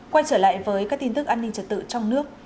quay trở lại với các tin tức an ninh trật tự trong nước